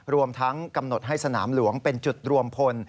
รวมทั้งกำหนดให้สนามหลวงเป็นจุดรวมพล